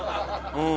うん。